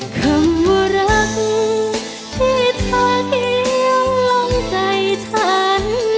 คำว่ารักที่เธอเคียงล้มใจฉัน